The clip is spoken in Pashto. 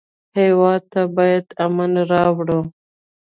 هېواد ته باید امن راوړو